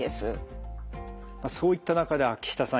そういった中で秋下さん